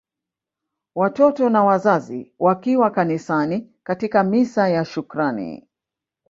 Watoto na Wazazi wakiwa kanisani katika misa ya shukrani